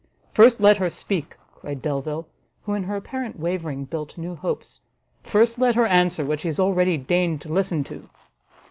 "First let her speak!" cried Delvile, who in her apparent wavering built new hopes, "first let her answer what she has already deigned to listen to."